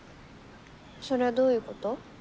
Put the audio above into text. それはどういうこと？